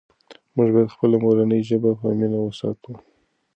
موږ باید خپله مورنۍ ژبه په مینه وساتو.